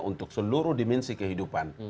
untuk seluruh dimensi kehidupan